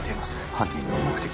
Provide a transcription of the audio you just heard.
犯人の目的は。